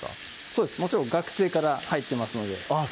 そうですもちろん学生から入ってますのであっ